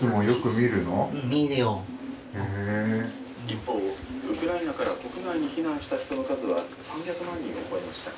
「一方ウクライナから国外に避難した人の数は３００万人を超えました」。